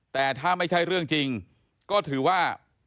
แต่ถ้าไม่ใช่เรื่องจริงก็ถือว่า